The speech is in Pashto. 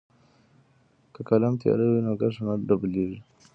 که قلم تیره وي نو کرښه نه ډبلیږي.